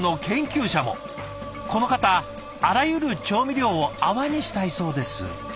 この方あらゆる調味料を泡にしたいそうです。